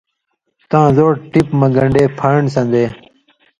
تاں زُوڑہۡ ٹِپیۡ مہ گن٘ڈے پھان٘ڈ سن٘دے